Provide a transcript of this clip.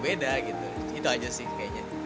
beda gitu itu aja sih kayaknya